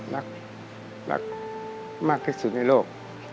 รักรักมากที่สุดในโลก